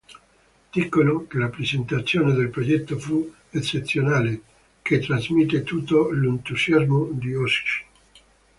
Dicono che la presentazione del progetto fu eccezionale, che trasmise tutto l'entusiamo di Oshii.